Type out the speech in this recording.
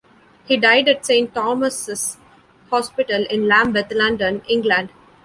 He died at Saint Thomas's Hospital in Lambeth, London, England.